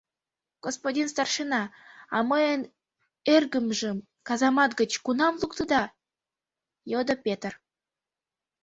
— Господин старшина, а мыйын эргымжым казамат гыч кунам луктыда? — йодо Петр.